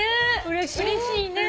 うれしいね。